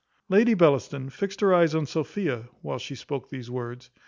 Lady Bellaston fixed her eyes on Sophia whilst she spoke these words.